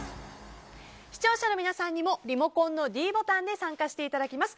視聴者の皆さんにもリモコンのｄボタンで参加していただきます。